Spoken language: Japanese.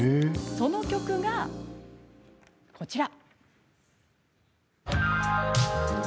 その曲が、こちら。